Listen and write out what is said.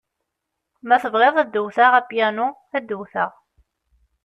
Ma tebɣiḍ ad d-wteɣ apyanu, ad d-wteɣ.